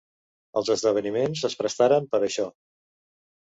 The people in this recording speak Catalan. Els esdeveniments es prestaren per a això.